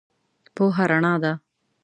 پوهه رنا ده.